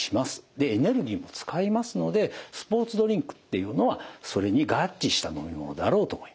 でエネルギーも使いますのでスポーツドリンクっていうのはそれに合致した飲み物だろうと思います。